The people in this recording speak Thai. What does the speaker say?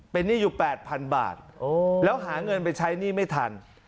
เป็นหนี้อยู่๘๐๐๐บาทแล้วหาเงินไปใช้หนี้ไม่ทัน